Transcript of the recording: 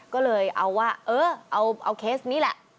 ก็เลยเอาว่าเออเอาเคสนี้แหละ